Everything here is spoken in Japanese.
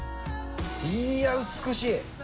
いや、美しい。